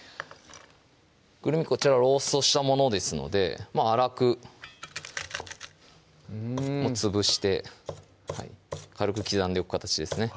こちらローストしたものですので粗くうん潰して軽く刻んでおく形ですね